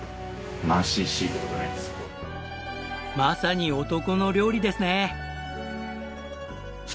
まさに男の料理ですね！